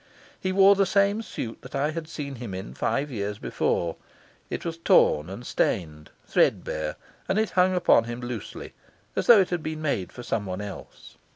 He wore the same suit that I had seen him in five years before; it was torn and stained, threadbare, and it hung upon him loosely, as though it had been made for someone else.